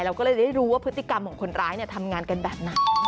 เราก็เลยได้รู้ว่าพฤติกรรมของคนร้ายทำงานกันแบบไหน